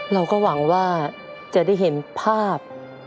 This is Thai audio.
เราก็หวังว่าจะได้เห็นภาพ